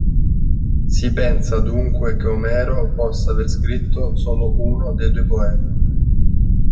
Si pensa dunque che Omero possa aver scritto solo uno dei due poemi.